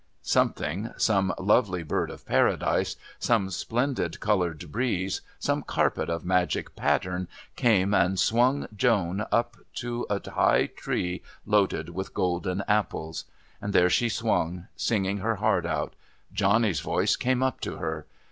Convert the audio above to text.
Something some lovely bird of Paradise, some splendid coloured breeze, some carpet of magic pattern came and swung Joan up to a high tree loaded with golden apples. There she swung singing her heart out. Johnny's voice came up to her.